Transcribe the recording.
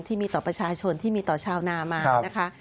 ที่มีต่อประชาชนที่มีต่อชาวนามานะคะ